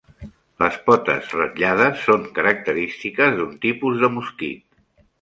Les potes ratllades són característiques d'un tipus de mosquit.